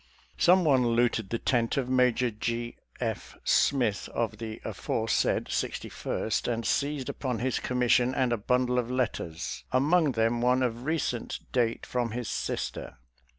Someone looted the tent of Major G. F. Smith of the aforesaid Sixty first, and seized upon his commission and a bundle of letters — ^among them one of recent date from his sister.